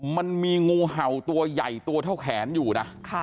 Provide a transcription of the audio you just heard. มันมีงูเห่าตัวใหญ่ตัวเท่าแขนอยู่นะ